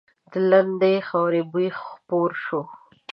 د لندې خاورې بوی خپور شوی و.